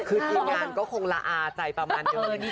คือทีมงานก็คงละอาใจประมาณเยอะ